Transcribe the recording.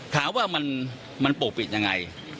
ถามว่ามันปกปิดยังไง